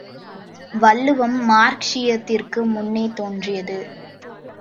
வள்ளுவம், மார்க்சீயத்திற்கு முன்னே தோன்றியது.